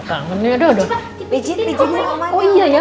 aduh mama kangen ya